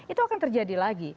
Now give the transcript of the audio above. itu akan terjadi lagi